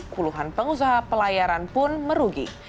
puluhan pengusaha pelayaran pun merugi